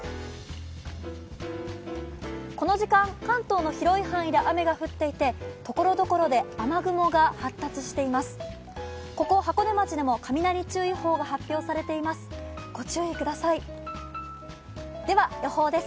この時間、関東の広い範囲で雨が降っていて所々で雨雲が発達しています。